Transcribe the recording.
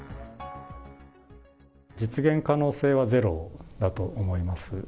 実現可能性はゼロだと思います。